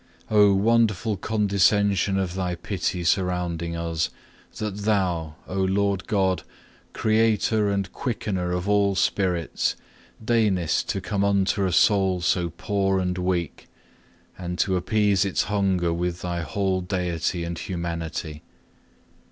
4. Oh wonderful condescension of Thy pity surrounding us, that Thou, O Lord God, Creator and Quickener of all spirits, deignest to come unto a soul so poor and weak, and to appease its hunger with Thy whole Deity and Humanity.